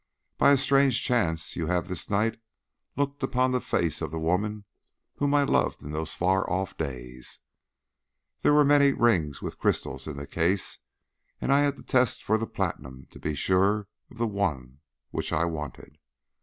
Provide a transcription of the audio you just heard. By a strange chance you have this night looked upon the face of the woman whom I loved in those far off days. There were many rings with crystals in the case, and I had to test for the platinum to be sure of the one which I wanted.